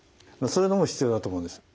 そういうのも必要だと思うんです。